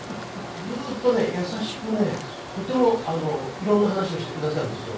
ずーっとね優しくねとても色んな話をしてくださるんですよ。